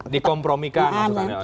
dikompromikan maksud anda